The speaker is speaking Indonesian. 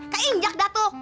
keinjak dah tuh